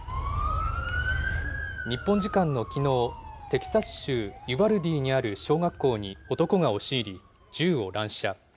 日本時間のきのう、テキサス州ユバルディにある小学校に男が押し入り、銃を乱射。